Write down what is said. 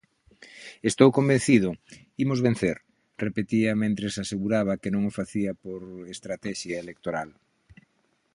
"Estou convencido, imos vencer", repetía mentres aseguraba que non o facía por "estratexia electoral".